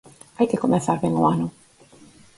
Hai que comezar ben o ano.